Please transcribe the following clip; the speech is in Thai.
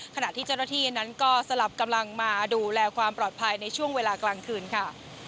ขณะที่เจ้าหน้าที่นั้นก็สลับกำลังมาดูแลความปลอดภัยในช่วงเวลากลางคืนค่ะ